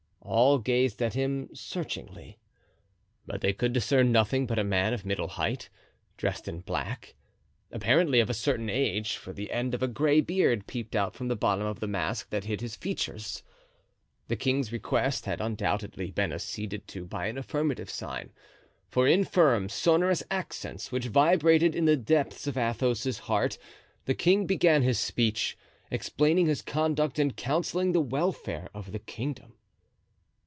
All gazed at him searchingly. But they could discern nothing but a man of middle height, dressed in black, apparently of a certain age, for the end of a gray beard peeped out from the bottom of the mask that hid his features. The king's request had undoubtedly been acceded to by an affirmative sign, for in firm, sonorous accents, which vibrated in the depths of Athos's heart, the king began his speech, explaining his conduct and counseling the welfare of the kingdom.